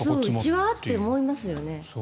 うちは？って思いますよね。